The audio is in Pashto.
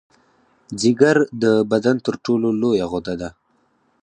ځیګر د بدن تر ټولو لویه غده ده